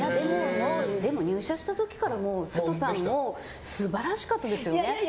でも入社した時からサトさんも素晴らしかったですよね。